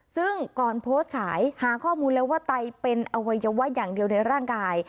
ซึ่งก่อนโพสต์ขายหาข้อมูลแล้วว่าไตเป็นอวัยวะอย่างเดียวในร่างกาย